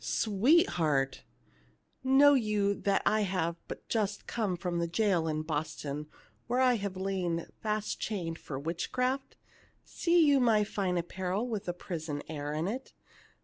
" Sweetheart !"" Know you that I have but just come from the jail in Boston, where I have lain fast chained for witchcraft ? See you my fine apparel with the prison air in it